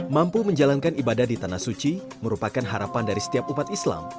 mampu menjalankan ibadah di tanah suci merupakan harapan dari setiap umat islam